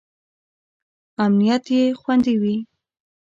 امنیت یې باید خوندي وي.